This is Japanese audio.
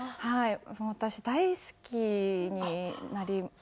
私、大好きになりました。